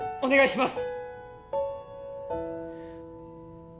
お願いします！